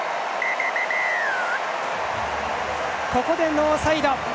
ここでノーサイド！